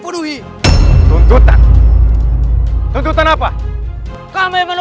pasti kutukan dari maha agung